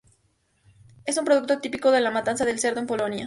Es un producto típico de la matanza del cerdo en Polonia.